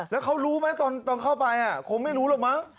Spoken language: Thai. แล้วเขารู้ไหมตอนเข้าไปคงไม่รู้หรอกมั้ง